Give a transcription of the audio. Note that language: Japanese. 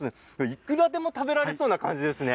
いくらでも食べられそうな感じですね。